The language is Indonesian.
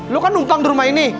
lu kan ngutang di rumah ini